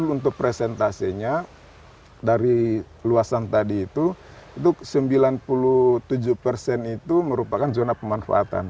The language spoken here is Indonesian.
untuk presentasenya dari luasan tadi itu itu sembilan puluh tujuh persen itu merupakan zona pemanfaatan